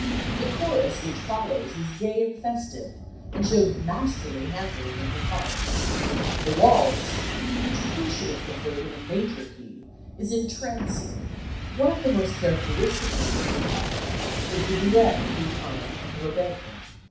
The chorus which follows is gay and festive and shows masterly handling of the parts: the waltz, which we should have preferred in a major key, is entrancing, one of the most characteristic numbers of the opera is the duet between Anna and Roberto.